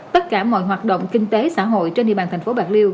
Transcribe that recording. tất cả mọi hoạt động kinh tế xã hội trên địa bàn thành phố bạc liêu